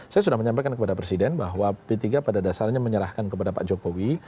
saya sudah menyampaikan kepada presiden bahwa p tiga pada dasarnya menyerahkan kepada pak jokowi